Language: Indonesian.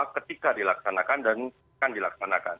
ketika dilaksanakan dan akan dilaksanakan